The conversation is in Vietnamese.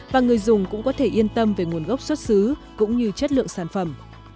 và người dùng cũng có thể yên tâm về nguồn gốc xuất xứ cũng như chất lượng sản phẩm